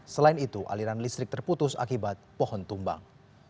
selain itu aliran listrik terputus akibat pohon tumbang